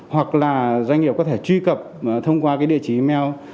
hoặc là doanh nghiệp có thể truy cập thông qua cái địa chỉ email